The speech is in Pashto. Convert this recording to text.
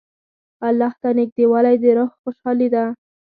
الله ته نېږدېوالی د روح خوشحالي ده.